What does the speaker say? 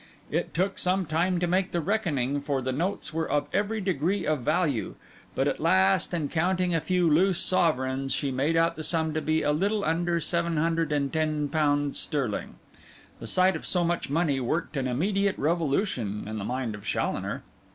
It took some time to make the reckoning, for the notes were of every degree of value; but at last, and counting a few loose sovereigns, she made out the sum to be a little under £710 sterling. The sight of so much money worked an immediate revolution in the mind of Challoner.